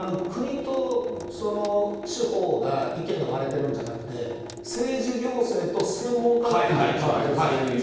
国と地方が意見が割れてるんじゃなくて政治行政と専門家の意見が割れている。